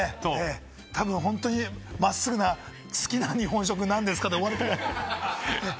たぶん本当に真っすぐな「好きな日本食何ですか？」で終わりそう。